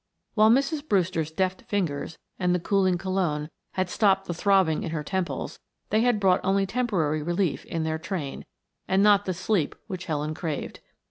While Mrs. Brewster's deft fingers and the cooling cologne had stopped the throbbing in her temples, they had brought only temporary relief in their train and not the sleep which Helen craved.